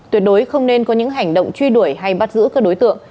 tuyệt đối không nên có những hành động truy đuổi hay bắt giữ các đối tượng